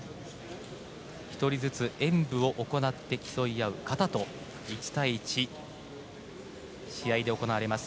１人ずつ演武を行って競い合う形と１対１、試合で行われます